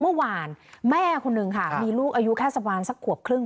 เมื่อวานแม่คนนึงค่ะมีลูกอายุแค่ประมาณสักขวบครึ่ง